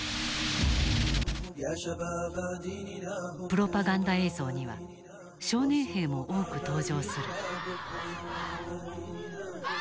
プロパガンダ映像には少年兵も多く登場する。